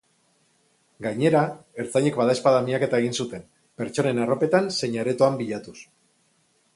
Gainera, ertzainek badaezpada miaketa egin zuten, pertsonen arropetan zein aretoan bilatuz.